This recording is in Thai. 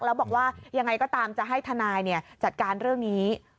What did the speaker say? แล้วบอกว่ายังไงก็ตามจะให้ทนายจัดการเรื่องนี้